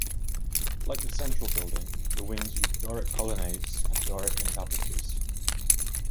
Like the central building, the wings use Doric colonnades and Doric entablatures.